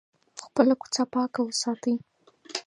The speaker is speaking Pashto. خپله کوڅه پاکه وساتئ.